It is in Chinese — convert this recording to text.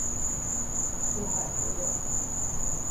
圣赖格勒。